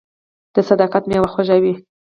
• د صداقت میوه خوږه وي.